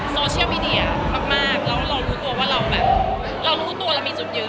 โซเชียลมีเดียมากแล้วเรารู้ตัวว่าเราแบบเรารู้ตัวเรามีจุดยืน